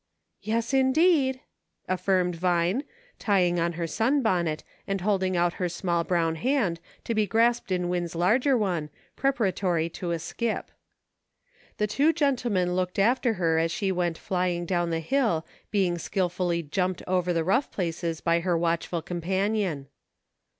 " Yes, indeed," affirmed Vine, tying on her sun bonnet, and holding out her small brown hand, to be grasped in Win's larger one, preparatory to a skip. The two gentlemen looked after her as she went flying down the hill, being skillfully "jumped " over the rough places by her watchful companion.